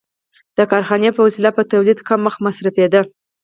د کارخانې په وسیله په تولید کم وخت مصرفېده